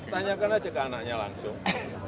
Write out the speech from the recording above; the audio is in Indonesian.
tanyakan aja ke anaknya langsung